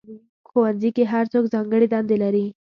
په ښوونځي کې هر څوک ځانګړې دندې لري.